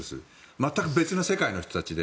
全く別な世界の人たちで。